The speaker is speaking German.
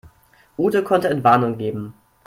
Ute konnte Entwarnung geben.